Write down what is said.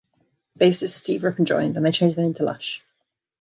Bassist Steve Rippon joined, and they changed their name to Lush.